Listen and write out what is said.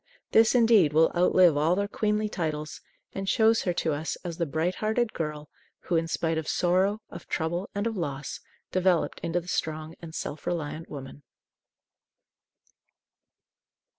This, indeed, will outlive all their queenly titles, and shows her to us as the bright hearted girl who, in spite of sorrow, of trouble, and of loss, developed into the strong and self reliant woman.